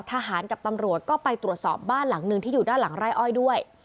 ทหารกับตำรวจก็ไปตรวจสอบบ้านหลังหนึ่งที่อยู่ด้านหลังไร่อ้อยด้วย